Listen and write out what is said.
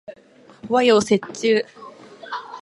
和洋折衷